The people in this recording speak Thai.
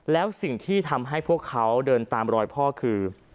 แล้วสิ่งที่ทำให้พวกเขาเดินตามรอยพ่อคือ